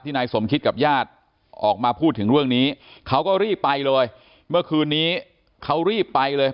นายสมคิดกับญาติออกมาพูดถึงเรื่องนี้เขาก็รีบไปเลยเมื่อคืนนี้เขารีบไปเลย